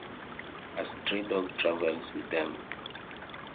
A stray dog travels with them.